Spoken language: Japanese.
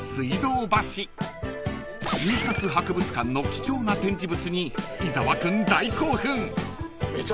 ［印刷博物館の貴重な展示物に伊沢君大興奮！］